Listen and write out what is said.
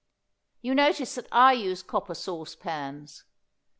You notice that I use copper sauce pans.